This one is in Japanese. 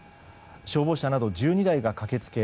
消防車など１２台が駆け付け